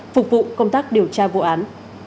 phục vụ công tác điều tra vụ án